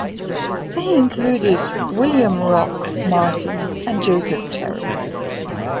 They included William "Rock" Martin and Joseph Terry.